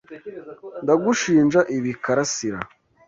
Ndagushinja ibi, Karasira.